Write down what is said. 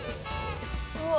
うわ。